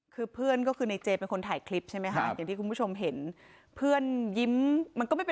คือเพื่อนก็คือในเจเป็นคนถ่ายคลิปใช่ไหมคะอย่างที่คุณผู้ชมเห็นเพื่อนยิ้มมันก็ไม่เป็น